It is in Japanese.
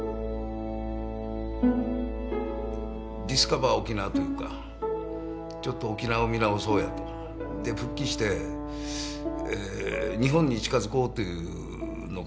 ディスカバー沖縄というかちょっと沖縄を見直そうやと。で復帰して日本に近づこうというのがずっとあって。